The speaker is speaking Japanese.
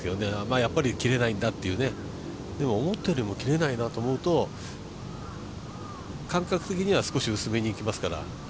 やっぱり切れないんだというね思ったよりも切れないなと思うと感覚的には少し薄めにいきますから。